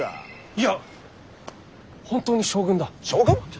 いや本当に将軍だ。